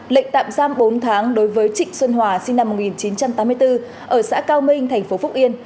lệnh tạm giam bốn tháng đối với trịnh xuân hòa sinh năm một nghìn chín trăm tám mươi bốn ở xã cao minh thành phố phúc yên